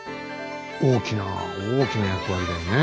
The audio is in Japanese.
大きな大きな役割だよね。